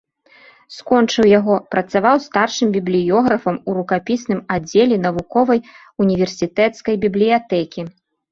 Скончыў яго, працаваў старшым бібліёграфам ў рукапісным аддзеле навуковай універсітэцкай бібліятэкі.